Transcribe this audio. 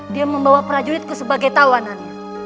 dia membawa prajuritku sebagai tawanannya